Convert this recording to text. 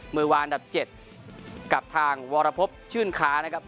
เมื่อวานอันดับ๗กับทางวรพบชื่นค้านะครับ